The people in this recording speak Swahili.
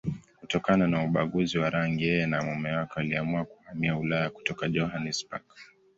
Kutokana na ubaguzi wa rangi, yeye na mume wake waliamua kuhamia Ulaya kutoka Johannesburg.